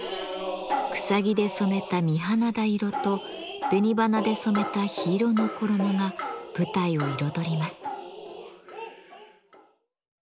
草木で染めた水縹色と紅花で染めた緋色の衣が舞台を彩ります。